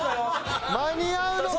間に合うのか？